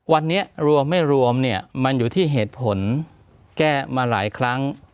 วันนี้รวมไม่รวมเนี่ยมันอยู่ที่เหตุผลแก้มาหลายครั้ง